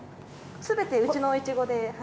すべてうちのイチゴで。